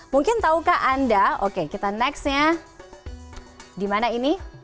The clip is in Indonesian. mungkin tahukah anda oke kita nextnya dimana ini